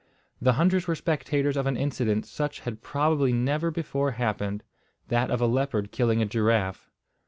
The hunters were spectators of an incident such had probably never before happened, that of a leopard killing a giraffe.